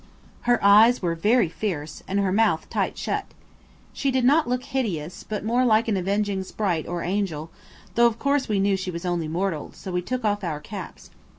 Her eyes were very fierce, and her mouth tight shut. She did not look hideous, but more like an avenging sprite or angel, though of course we knew she was only mortal, so we took off our caps.